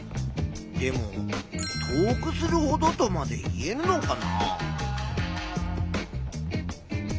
でも「遠くするほど」とまで言えるのかな？